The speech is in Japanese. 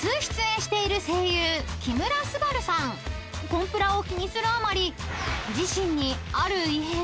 ［コンプラを気にするあまり自身に］